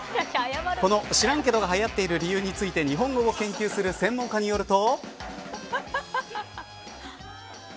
この、知らんけど、がはやっている理由について日本語を研究する専門家によると。